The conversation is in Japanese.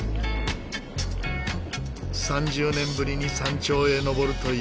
３０年ぶりに山頂へ登るというご婦人。